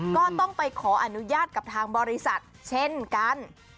ก็ต้องไปขออนุญาตกับทางบริษัทเช่นกัน